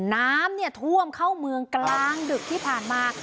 น้ำท่วมเข้าเมืองกลางดึกที่ผ่านมา